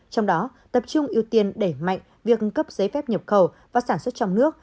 trong đó tập trung ưu tiên đẩy mạnh việc cấp giấy phép nhập khẩu và sản xuất trong nước